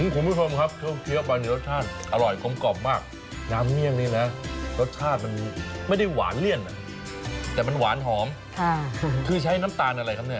คุณผู้ชมครับช่วงเคี้ยวไปมีรสชาติอร่อยกลมกล่อมมากน้ำเมี่ยงนี่นะรสชาติมันไม่ได้หวานเลี่ยนแต่มันหวานหอมคือใช้น้ำตาลอะไรครับเนี่ย